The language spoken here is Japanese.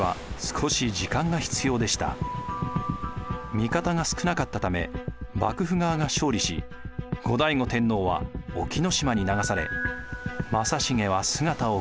味方が少なかったため幕府側が勝利し後醍醐天皇は隠岐島に流され正成は姿をくらましました。